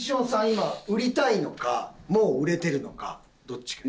今売りたいのかもう売れてるのかどっちかや。